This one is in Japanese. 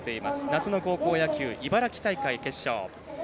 夏の高校野球、茨城大会決勝。